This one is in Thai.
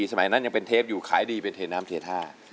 สมัยนั้นยังเป็นเทปอยู่ขายดีเป็นเทน้ำเทท่า